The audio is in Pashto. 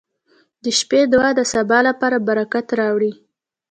• د شپې دعا د سبا لپاره برکت راوړي.